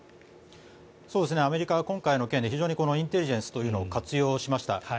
アメリカは今回の件で非常にインテリジェンスというのを活用しました。